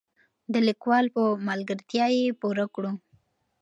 د لیکوال په ملګرتیا یې پوره کړو.